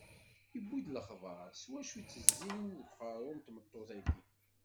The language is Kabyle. Yewwi-d lexbar s wacu i itezzin deg uqerru n tmeṭṭut-agi.